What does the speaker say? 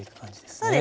そうですね。